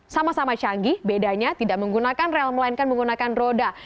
sama sama canggih bedanya tidak menggunakan rel melainkan menggunakan roda